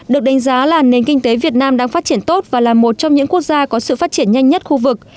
được đánh giá là nền kinh tế việt nam đang phát triển tốt và là một trong những quốc gia có sự phát triển nhanh nhất khu vực